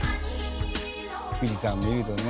富士山見えるとね。